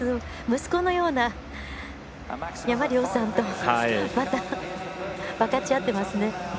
息子のような山領さんと、またまた分かち合ってますね。